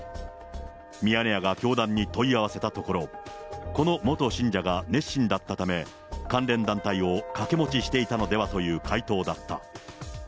ミヤネ屋が教団に問い合わせたところ、この元信者が熱心だったため、関連団体を掛け持ちしていたのではという回答だった。